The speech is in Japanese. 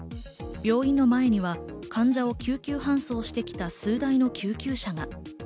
病院の前には患者を救急搬送してきた数台の救急車が。